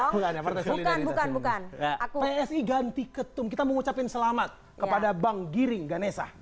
bukan bukan bukan psi ganti ketum kita mengucapkan selamat kepada bang giring ganesa